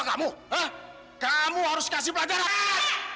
kamu harus kasih pelajaran